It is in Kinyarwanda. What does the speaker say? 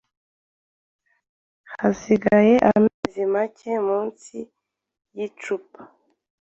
Hasigaye amazi make munsi y icupa